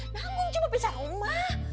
nanggung cuma pisah rumah